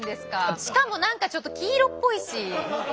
しかも何かちょっと黄色っぽいし。